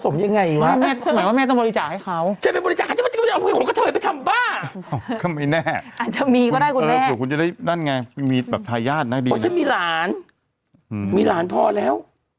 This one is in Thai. มีหลานมีหลานพ่อแล้ว